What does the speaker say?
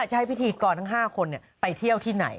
ไม่ต้องไป